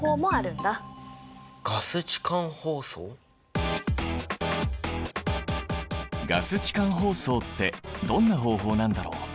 ガス置換包装ってどんな方法なんだろう？